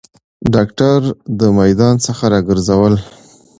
داکتر د میدان څخه راګرځول